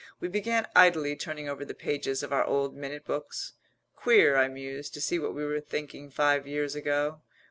We began idly turning over the pages of our old minute books. "Queer," I mused, "to see what we were thinking five years ago."